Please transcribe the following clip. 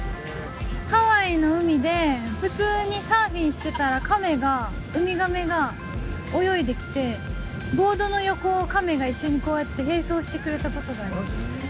ハワイの海で、普通にサーフィンしてたら、カメが、ウミガメが泳いできて、ボードの横をカメが一緒にこうやって、並走してくれたことがあります。